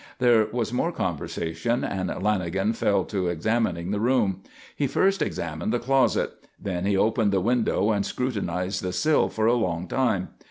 There was more conversation, and Lanagan fell to examining the room. He first examined the closet. Then he opened the window and scrutinised the sill for a long time.